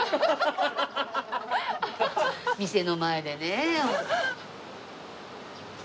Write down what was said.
店の前でねえ。